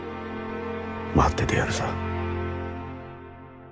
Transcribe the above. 待っててやるさ。